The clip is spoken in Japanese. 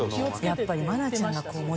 やっぱり。